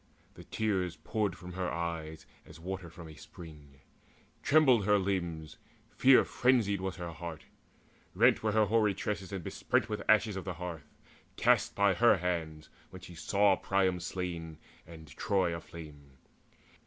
The tears Poured from her eyes as water from a spring; Trembled her limbs, fear frenzied was her heart; Rent were her hoary tresses and besprent With ashes of the hearth, cast by her hands When she saw Priam slain and Troy aflame.